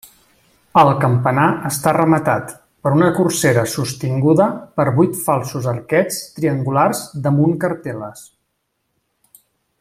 El campanar està rematat per una corsera sostinguda per vuit falsos arquets triangulars damunt cartel·les.